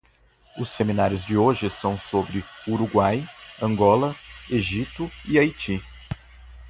Os seminários de hoje são sobre o Uruguai, Angola, Egito e Haiti.